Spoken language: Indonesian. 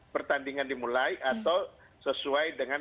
pertandingan dimulai atau sesuai dengan